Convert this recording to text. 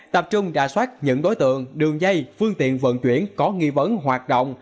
tập trung đà soát những đối tượng đường dây phương tiện vận chuyển có nghi vấn hoạt động